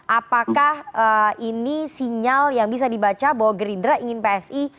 apakah ini sinyal yang bisa dibaca bahwa gerindra ingin psi